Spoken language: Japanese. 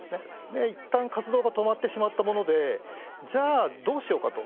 でいったん活動が止まってしまったものでじゃあどうしようか？と。